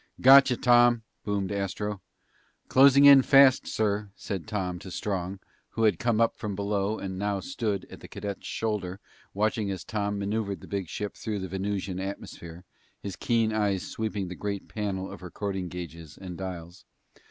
"Got ya, Tom," boomed Astro. "Closing in fast, sir," said Tom to Strong, who had come up from below and now stood at the cadet's shoulder watching as Tom maneuvered the big ship through the Venusian atmosphere, his keen eyes sweeping the great panel of recording gauges and dials.